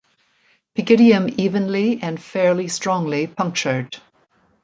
Pygidium evenly and fairly strongly punctured.